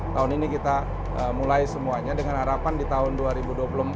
tahun ini kita mulai semuanya dengan harapan di tahun dua ribu dua puluh empat kita sudah bisa beroperasi